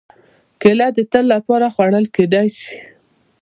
کېله د تل لپاره خوړل کېدای شي.